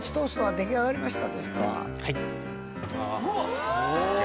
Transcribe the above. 出来上がりました。